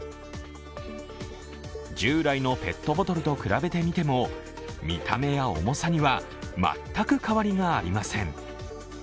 従来のペットボトルと比べてみても見た目や重さには全く変わりがありません。